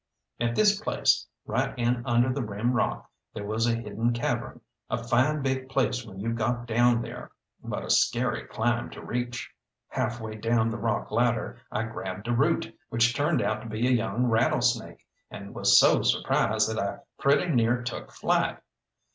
At this place, right in under the rim rock, there was a hidden cavern a fine big place when you got down there, but a scary climb to reach. Half way down the rock ladder I grabbed a root, which turned out to be a young rattlesnake, and was so surprised that I pretty near took flight.